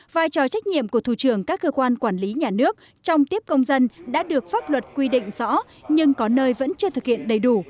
vai trò trách nhiệm của thủ trưởng các cơ quan quản lý nhà nước trong tiếp công dân đã được pháp luật quy định rõ nhưng có nơi vẫn chưa thực hiện đầy đủ